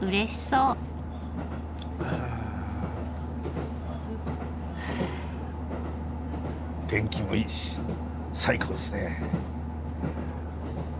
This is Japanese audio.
あ。は天気もいいし最高ですね。